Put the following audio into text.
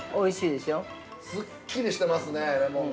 ◆すっきりしてますね、レモンが。